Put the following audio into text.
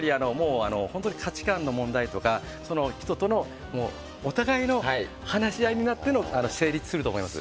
価値観の問題とか人とのお互いの話し合いで成立すると思います。